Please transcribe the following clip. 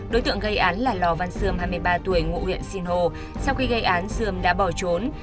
đối tượng gây án là lò văn sươm hai mươi ba tuổi ngụ huyện sinh hồ sau khi gây án sươm đã bỏ trốn